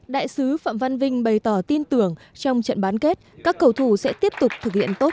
đại sứ phạm văn vinh bày tỏ tin tưởng trong trận bán kết các cầu thủ sẽ tiếp tục thực hiện tốt